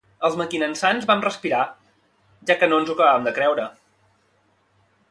Els mequinensans vam respirar, ja que no ens ho acabàvem de creure.